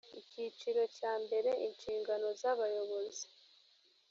icyiciro cya mbere inshingano zabayobozi